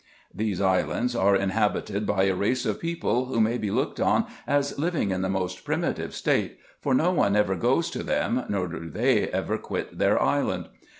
These islands are in habited by a race of people who may be looked on as living in the most primitive state ; for no one ever goes to them, nor do they ever quit their island.